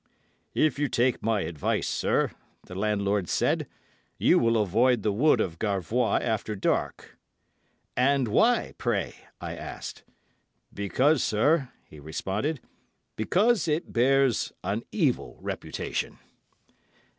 "'If you take my advice, sir,' the landlord said, 'you will avoid the wood of Garvois after dark.' 'And why, pray?' I asked. 'Because, sir,' he responded, 'because it bears an evil reputation.